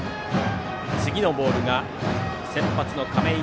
次のボールが先発の亀井颯